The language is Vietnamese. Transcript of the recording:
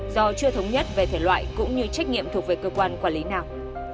do chưa thống nhất về thể loại cũng như trách nhiệm thuộc về cơ quan quản lý nào